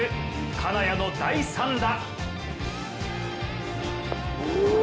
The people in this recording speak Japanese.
金谷の第３打。